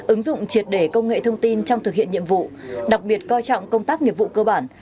ứng dụng triệt để công nghệ thông tin trong thực hiện nhiệm vụ đặc biệt coi trọng công tác nghiệp vụ cơ bản